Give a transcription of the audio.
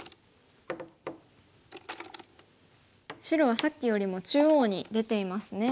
白はさっきよりも中央に出ていますね。